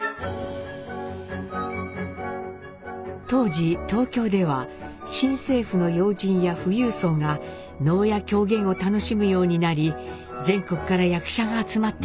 当時東京では新政府の要人や富裕層が能や狂言を楽しむようになり全国から役者が集まっていました。